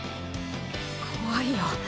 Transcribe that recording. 怖いよ。